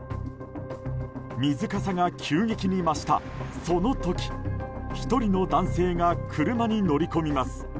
水かさが急激に増した、その時１人の男性が車に乗り込みます。